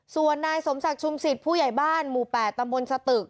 ส่วนนายสมศักดิ์ชุมศิษย์ผู้ใหญ่บ้านหมู่๘ตำบลสตึก